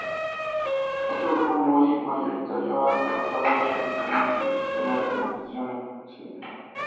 Otro grupo muy mayoritario ha adoptado las tradiciones y el sistema de organización occidental.